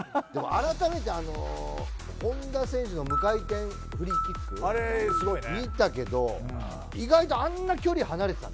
あらためて本田選手の無回転フリーキック見たけど意外とあんな距離離れてたんだね。